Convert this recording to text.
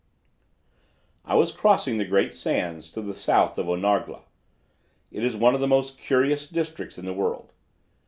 "I was crossing the great sands to the south of Onargla. It is one of the most curious districts in the world.